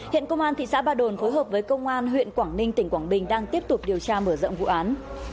hiện công an thị xã ba đồn phối hợp với công an huyện quảng ninh tỉnh quảng bình đang tiếp tục điều tra mở rộng vụ án